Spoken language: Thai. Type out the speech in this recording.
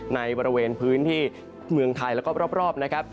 ในบริเวณพื้นที่เมืองไทยแล้วก็รอบนะครับ